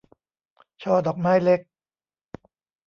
ช่อดอกไม้เล็ก